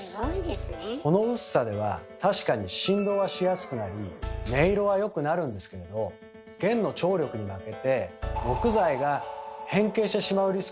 この薄さでは確かに振動はしやすくなり音色は良くなるんですけれど弦の張力に負けて木材が変形してしまうリスクがあるんです。